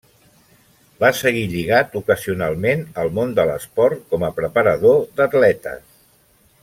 Va seguir lligat ocasionalment al món de l'esport com a preparador d'atletes.